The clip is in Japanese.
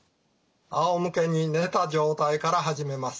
あおむけに寝た状態から始めます。